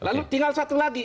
lalu tinggal satu lagi